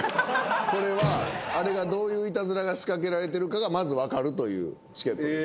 これはあれがどういうイタズラが仕掛けられてるかがまず分かるというチケットです。